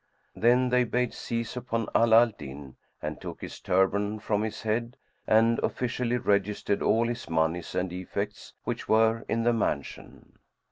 Then, they bade seize upon Ala al Din and took his turban from his head, and officially registered all his monies and effects which were in the mansion.